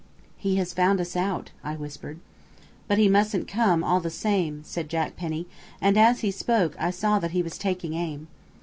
"He has found us out," I whispered. "But he mustn't come all the same," said Jack Penny, and as he spoke I saw that he was taking aim.